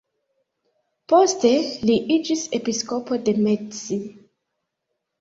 Poste li iĝis episkopo de Metz.